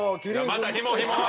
またひもひも！